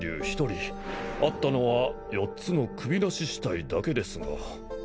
あったのは４つの首なし死体だけですが。